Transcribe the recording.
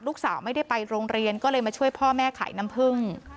ลูกสาวไม่ได้ไปโรงเรียนก็เลยมาช่วยพ่อแม่ขายน้ำผึ้ง